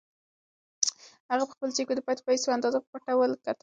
هغه په خپل جېب کې د پاتې پیسو اندازه په پټه وکتله.